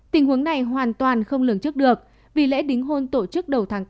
tình huống này hoàn toàn không lường trước được vì lễ đính hôn tổ chức đầu tháng tám